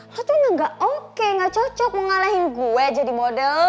lo tuh gak oke gak cocok mengalahin gue jadi model